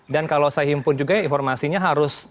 dan kalau saya himpun juga ya informasinya harus